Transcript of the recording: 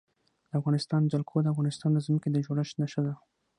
د افغانستان جلکو د افغانستان د ځمکې د جوړښت نښه ده.